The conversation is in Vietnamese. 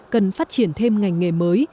cần phát triển thêm ngành nghề mới